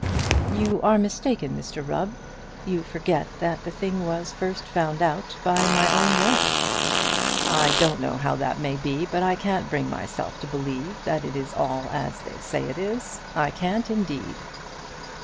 "You are mistaken, Mr Rubb. You forget that the thing was first found out by my own lawyer." "I don't know how that may be, but I can't bring myself to believe that it all is as they say it is; I can't, indeed."